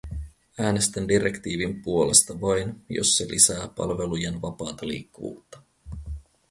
Äänestän direktiivin puolesta vain, jos se lisää palvelujen vapaata liikkuvuutta.